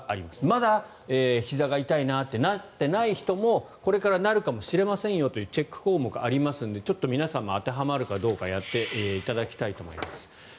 まだひざが痛いなとなってない人もこれからなるかもしれませんよというチェック項目がありますので皆さんも当てはまるかやっていただきたいと思います。